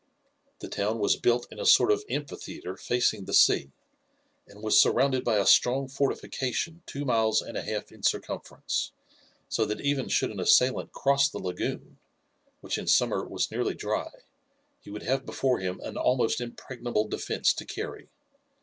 The town was built in a sort of amphitheatre facing the sea, and was surrounded by a strong fortification two miles and a half in circumference, so that even should an assailant cross the lagoon, which in summer was nearly dry, he would have before him an almost impregnable defence to carry.